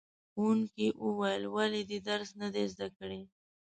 ښوونکي وویل ولې دې درس نه دی زده کړی؟